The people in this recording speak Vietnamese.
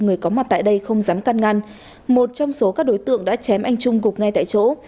người có mặt tại đây không dám can ngăn một trong số các đối tượng đã chém anh trung gục ngay tại chỗ